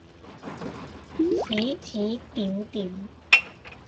指指點點